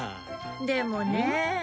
でもねえ。